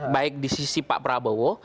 baik di sisi pak prabowo